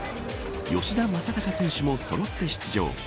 吉田正尚選手もそろって出場。